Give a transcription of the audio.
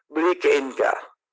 beli ke inka